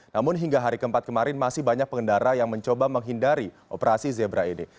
namun hingga hari keempat kemarin masih banyak pengendara yang mencoba menghindari operasi zebra ini